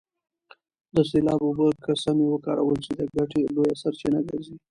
د سیلاب اوبه که سمې وکارول سي د ګټې لویه سرچینه ګرځي.